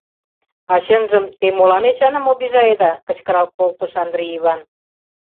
— А чынжым, те молан Эчаным обижаеда?! — кычкырал колтыш Андри Иван.